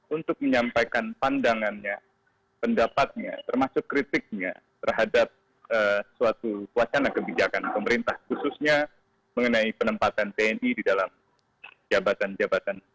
untuk menyampaikan pandangannya pendapatnya termasuk kritiknya terhadap suatu wacana kebijakan pemerintah khususnya mengenai penempatan tni di dalam jabatan jabatan